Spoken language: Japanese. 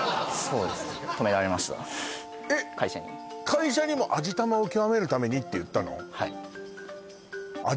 会社にも味玉を極めるためにって言ったの？